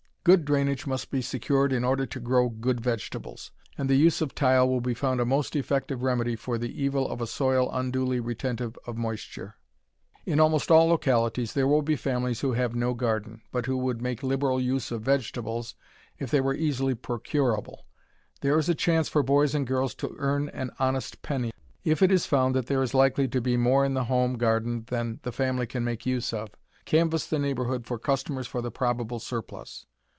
Good drainage must be secured in order to grow good vegetables, and the use of tile will be found a most effective remedy for the evil of a soil unduly retentive of moisture. In almost all localities there will be families who have no garden, but who would make liberal use of vegetables if they were easily procurable. There is a chance for boys and girls to earn an "honest penny." If it is found that there is likely to be more in the home garden than the family can make use of, canvass the neighborhood for customers for the probable surplus.